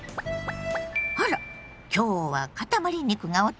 あら今日はかたまり肉がお得なのね！